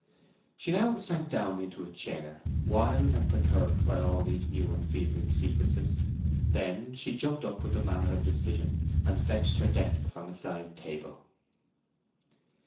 She now sank down into a chair, wild and perturbed by all these new and fevering sequences. Then she jumped up with a manner of decision, and fetched her desk from a side table.